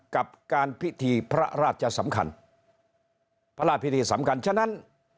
กับการพิธีพระราชสำคัญพระราชพิธีสำคัญฉะนั้น